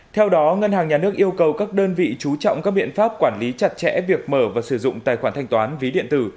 theo đó ngân hàng nhà nước yêu cầu các đơn vị chú trọng các biện pháp quản lý chặt chẽ việc mở và sử dụng tài khoản thanh toán ví điện tử